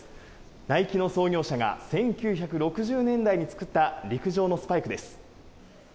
ナイキの創業者が１９６０年代に作った陸上のスパイクです。